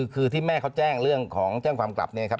คือที่แม่เขาแจ้งเรื่องของแจ้งความกลับเนี่ยครับ